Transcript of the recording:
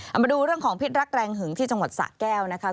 เอามาดูเรื่องของพิษรักแรงหึงที่จังหวัดสะแก้วนะคะ